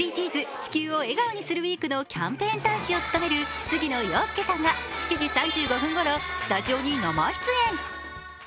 「地球を笑顔にするＷＥＥＫ」のキャンペーン大使を務める杉野遥亮さんが７時３５分ごろスタジオに生出演。